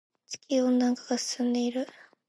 地球温暖化が進んでいる。